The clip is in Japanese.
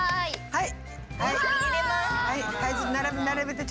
はい。